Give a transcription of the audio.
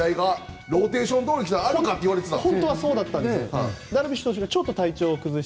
大谷、ダルビッシュの投げ合いがローテーションどおりに来たらあるかといわれていたんです。